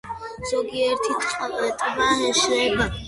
ზოგიერთი ტბა შრება.